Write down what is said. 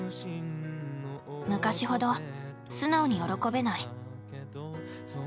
昔ほど素直に喜べない。